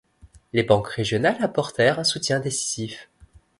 Les banques régionales apportèrent un soutien décisif.